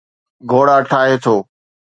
گهوڙا ٺاهي ٿو